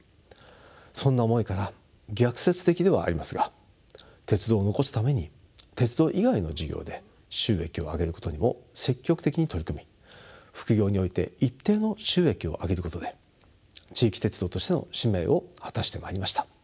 そんな思いから逆説的ではありますが鉄道を残すために鉄道以外の事業で収益を上げることにも積極的に取り組み副業において一定の収益を上げることで地域鉄道としての使命を果たしてまいりました。